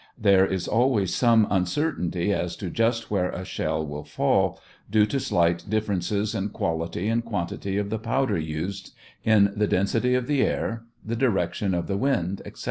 There is always some uncertainty as to just where a shell will fall, due to slight differences in quality and quantity of the powder used, in the density of the air, the direction of the wind, etc.